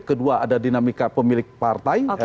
kedua ada dinamika pemilik partai